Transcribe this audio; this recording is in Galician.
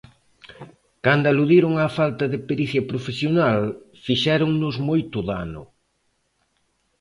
Cando aludiron á falta de pericia profesional, fixéronnos moito dano.